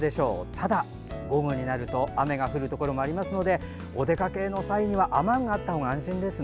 ただ、午後になると雨が降るところもありますのでお出かけには雨具があった方が安心です。